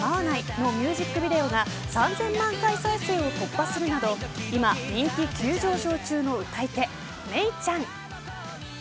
のミュージックビデオが３０００万回再生を突破するなど今、人気急上昇中の歌い手めいちゃん。